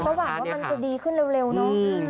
ก็หวังว่ามันจะดีขึ้นเร็วเนอะ